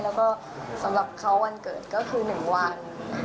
แล้วก็สำหรับเขาวันเกิดก็คือ๑วัน